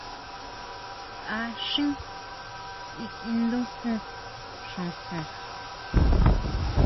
Taʼxín síkiʼindujun xojon.